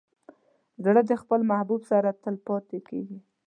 زړه د خپل محبوب سره تل پاتې کېږي.